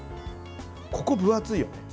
ここ分厚いよね。